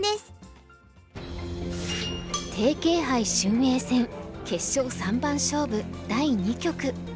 テイケイ杯俊英戦決勝三番勝負第２局。